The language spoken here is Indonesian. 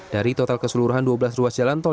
dari total keseluruhan dua belas ruas jalan tol